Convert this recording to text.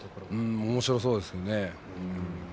おもしろいそうですね。